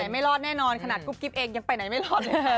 ไม่รอดแน่นอนขนาดกุ๊กกิ๊บเองยังไปไหนไม่รอดเลย